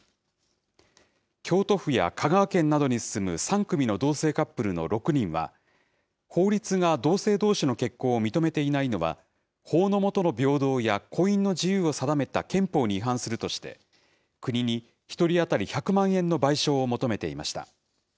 京都府や香川県などに住む３組の同性カップルの６人は、法律が同性どうしの結婚を認めていないのは、法の下の平等や婚姻の自由を定めた憲法に違反するとして、国に１人当たり１００万円の賠償を求めていました。